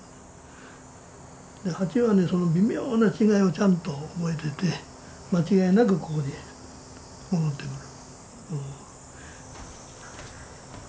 蜂はねその微妙な違いをちゃんと覚えてて間違いなくここに戻ってくる。